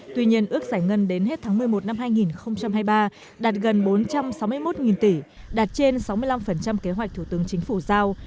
tuy nhiên ước giải ngân đến hết tháng một mươi một năm hai nghìn hai mươi ba đạt gần bốn trăm sáu mươi một tỷ đạt trên sáu mươi năm kế hoạch thủ tướng chính phủ giao